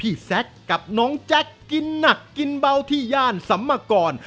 แซคกับน้องแจ็คกินหนักกินเบาที่ย่านสัมมกร